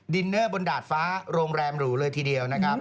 เนอร์บนดาดฟ้าโรงแรมหรูเลยทีเดียวนะครับ